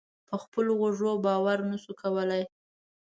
په خپلو غوږونو باور نه شو کولای.